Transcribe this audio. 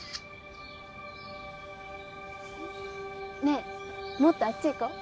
ねえもっとあっち行こう。